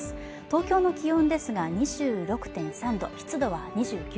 東京の気温ですが２６．３度湿度は２９％